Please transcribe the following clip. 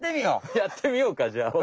やってみようかじゃあ。